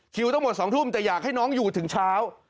ต้องหมด๒ทุ่มแต่อยากให้น้องอยู่ถึงเช้า